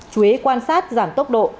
chú ý quan sát giảm tốc độ